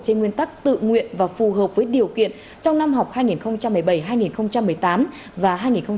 trên nguyên tắc tự nguyện và phù hợp với điều kiện trong năm học hai nghìn một mươi bảy hai nghìn một mươi tám và hai nghìn một mươi tám hai nghìn một mươi chín